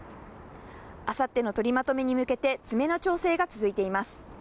あさっての取りまとめに向けて、詰めの調整が続いています。